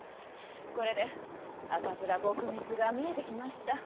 これで赤面撲滅が見えてきました。